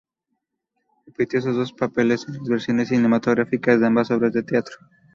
Repitió esos dos papeles en las versiones cinematográficas de ambas obras de teatro.